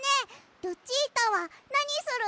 ルチータはなにするの？